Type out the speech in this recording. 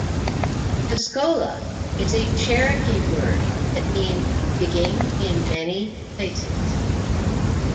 Tuscola is a Cherokee word that means "Digging in Many Places".